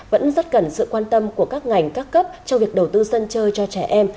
vẫn rất cần sự quan tâm của các ngành các cấp trong việc đầu tư sân chơi cho trẻ em